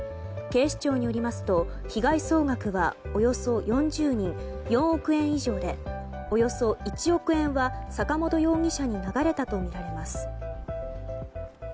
警視庁によりますと被害総額はおよそ４０人４億円以上でおよそ１億円は坂本容疑者に流れたとみられます。